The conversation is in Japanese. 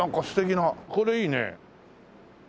これいいね！